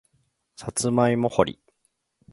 さつまいも掘り